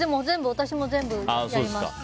私も全部やります。